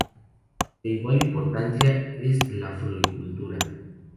De igual importancia es la floricultura.